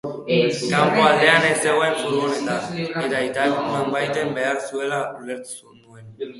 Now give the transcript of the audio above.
Kanpo aldean ez zegoen furgoneta, eta aitak nonbaiten behar zuela ulertu nuen.